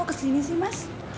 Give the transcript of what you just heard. kok kesini sih mas